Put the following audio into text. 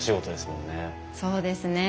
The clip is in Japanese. そうですね。